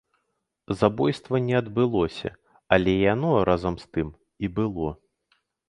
Забойства не адбылося, але яно, разам з тым, і было.